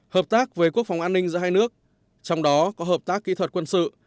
hợp tác với quốc phòng an ninh giữa hai nước trong đó có hợp tác kỹ thuật quân sự